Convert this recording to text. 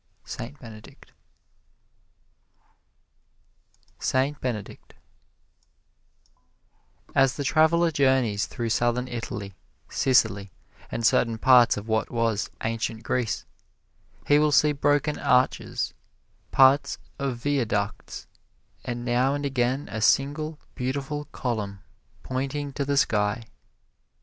St. Benedict SAINT BENEDICT As the traveler journeys through Southern Italy, Sicily and certain parts of what was Ancient Greece, he will see broken arches, parts of viaducts, and now and again a single, beautiful column pointing to the sky.